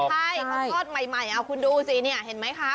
ใช่เขาทอดใหม่เอาคุณดูสิเนี่ยเห็นไหมคะ